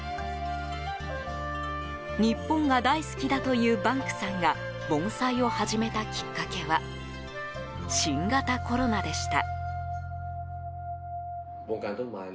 日本が大好きだというバンクさんが盆栽を始めたきっかけは新型コロナでした。